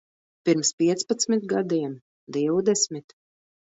Pirms piecpadsmit gadiem? Divdesmit?